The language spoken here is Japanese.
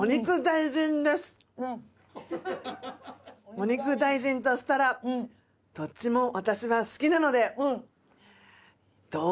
お肉大臣としたらどっちも私は好きなので。